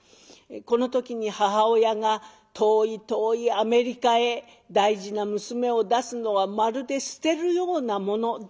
この時に母親が「遠い遠いアメリカへ大事な娘を出すのはまるで捨てるようなもの。